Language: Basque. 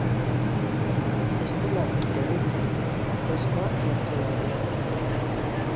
Estilo berritzaile eta freskoa lortu nahi du artistak.